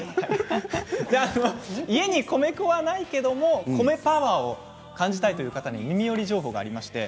家に米粉はないけれど米パワーを感じたいという方に耳寄り情報があります。